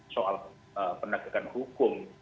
soal penagakan hukum